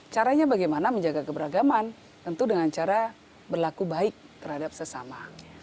caranya bagaimana menjaga keberagaman tentu dengan cara berlaku baik terhadap sesama